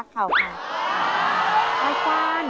ภาพ